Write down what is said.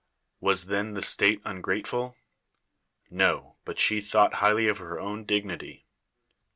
Was then the state nngrateful ? Xo . but she tlionorht hitrhly of her own dip nity.